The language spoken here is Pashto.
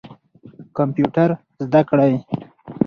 کمپیوټر زده کړئ.